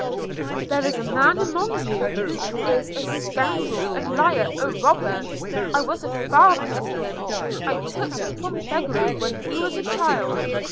"There is a man among you who is a scoundrel, a liar, a robber. I was a father to him. I took him from beggary when he was a child.